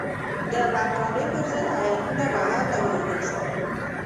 د برټانیې پر ضد هیاتونه بهر ته ولېږل شول.